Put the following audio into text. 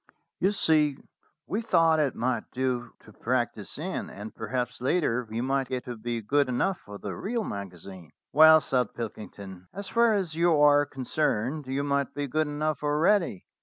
"You see, we thought it might do to practise in, and perhaps later we might get to be good enough for the real magazine." "Well," said Pilkington, "as far as you are con cerned, you might be good enough already.